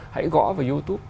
hãy gõ vào youtube